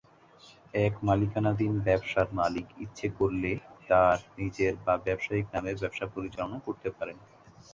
এক মালিকানাধীন ব্যবসার মালিক ইচ্ছে করলে তার নিজের বা ব্যবসায়িক নামে ব্যবসা পরিচালনা করতে পারেন।